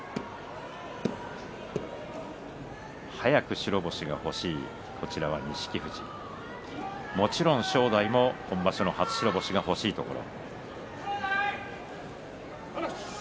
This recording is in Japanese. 早く白星が欲しい錦富士もちろん正代も今場所の初白星が欲しいところ。